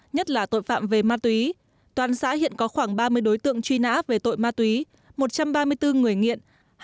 nhất là tội phạm về ma túy toàn xã hiện có khoảng ba mươi đối tượng truy nã về tội ma túy một trăm ba mươi bốn người nghiện